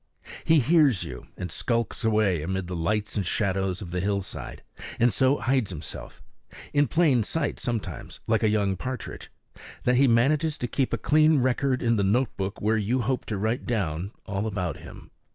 He hears you and skulks away amid the lights and shadows of the hillside, and so hides himself in plain sight, sometimes, like a young partridge that he manages to keep a clean record in the notebook where you hoped to write down all about him.